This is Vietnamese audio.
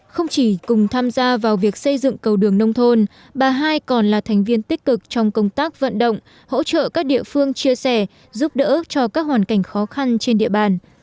không chỉ cùng tham gia vào việc xây dựng cầu đường nông thôn bà hai còn là thành viên tích cực trong công tác vận động hỗ trợ các địa phương chia sẻ giúp đỡ cho các hoàn cảnh khó khăn trên địa bàn